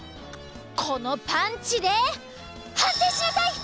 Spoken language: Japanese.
このパンチではんせいしなさい！